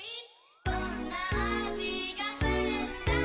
「どんな味がするんだろう？」